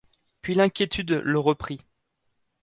Puis l’inquiétude le reprit.